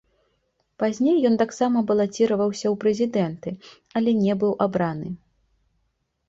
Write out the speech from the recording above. Пазней ён таксама балаціраваўся ў прэзідэнты, але не быў абраны.